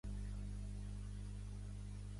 Es troba al nord del país a la regió Carib.